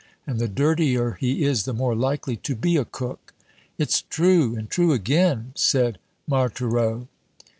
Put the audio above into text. And the dirtier he is, the more likely to be a cook." "It's true, and true again," said Marthereau.